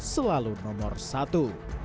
selalu nomor satu